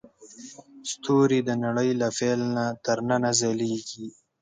ستوري د نړۍ له پیل نه تر ننه ځلېږي.